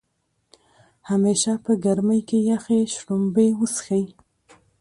همیشه په ګرمۍ کې يخې شړومبۍ وڅښئ